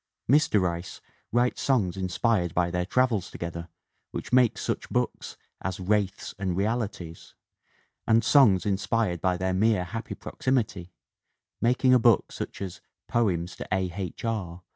Mr. Rice writes songs inspired by their travels together which make such books as Wraiths and Realities and songs inspired by their mere happy proximity, making a book such as Poems to A. H. R.